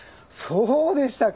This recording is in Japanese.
そうでしたか。